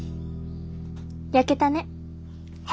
焼けたね。